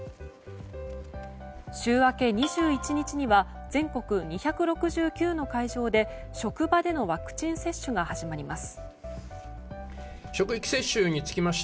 週明け、２１日には全国２６９の会場で職場でのワクチン接種が始まります。